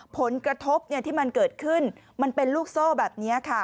ผลกระทบที่มันเกิดขึ้นมันเป็นลูกโซ่แบบนี้ค่ะ